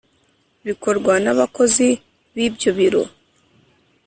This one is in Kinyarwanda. bikorwa n’abakozi b’ibyo biro.